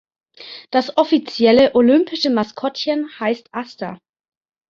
Das offizielle olympische Maskottchen heißt "Aster".